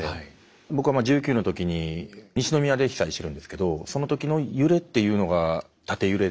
僕は１９の時に西宮で被災してるんですけどその時の揺れっていうのが縦揺れで。